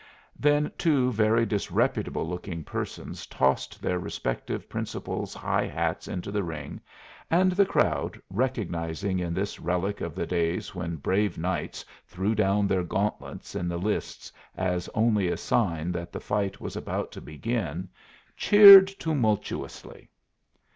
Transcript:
Then two very disreputable looking persons tossed their respective principals' high hats into the ring, and the crowd, recognizing in this relic of the days when brave knights threw down their gauntlets in the lists as only a sign that the fight was about to begin, cheered tumultuously.